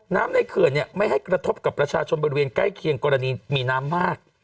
ในเขื่อนไม่ให้กระทบกับประชาชนบริเวณใกล้เคียงกรณีมีน้ำมาก